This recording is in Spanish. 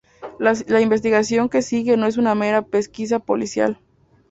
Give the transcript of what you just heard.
La investigación que sigue no es una mera pesquisa policial.